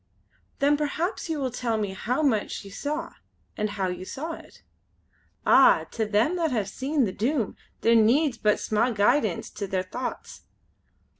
"Then perhaps you will tell me how much you saw, and how you saw it?" "Ah! to them that have seen the Doom there needs but sma' guidance to their thochts.